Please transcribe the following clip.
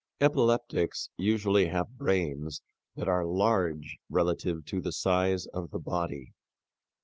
Epileptics usually have brains that are large relatively to the size of the body.